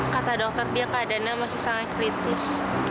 kata dokter dia keadaannya masih sangat kritis